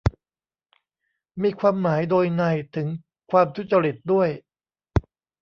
มีความหมายโดยนัยถึงความทุจริตด้วย